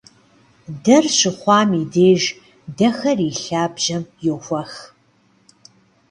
Дэр щыхъуам и деж дэхэр и лъабжьэм йохуэх.